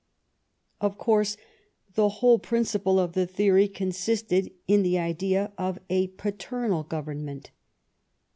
Of course the whole principle of the theory con sisted in the idea of a paternal government.